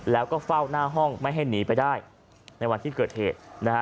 แล้วก็เฝ้าหน้าห้องไม่ให้หนีไปได้ในวันที่เกิดเหตุนะฮะ